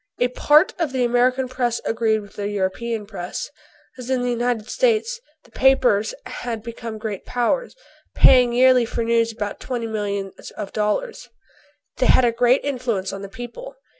A part of the American press agreed with the European press. And as in the United States the papers had become great powers, paying yearly for news about twenty millions of dollars, they had great influence on the people.